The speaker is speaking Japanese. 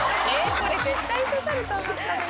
これ絶対刺さると思ったのに。